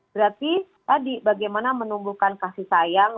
berarti tadi bagaimana menumbuhkan kasih sayang